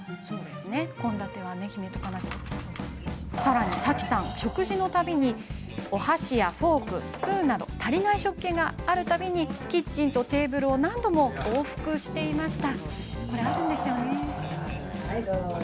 さらに、さきさん、食事のたびにお箸やフォーク、スプーンなど足りない食器があったときはキッチンとテーブルを何度も往復していました。